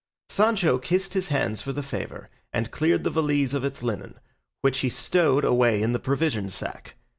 Sancho kissed his hands for the favour, and cleared the valise of its linen, which he stowed away in the provision sack.